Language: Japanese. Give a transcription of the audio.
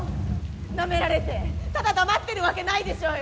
なめられて、ただ黙ってるわけないでしょう。